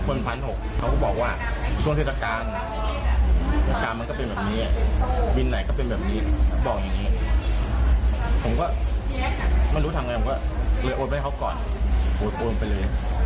๑๖๐๐เขาก็บอกว่าช่วงเทศกาลอาการมันก็เป็นแบบนี้บินไหนก็เป็นแบบนี้บอกอย่างนี้ผมก็ไม่รู้ทำไงผมก็เลยโอนไปให้เขาก่อนโอนไปเลย